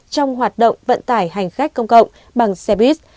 trong hoạt động vận tải hành khách công cộng bằng xe buýt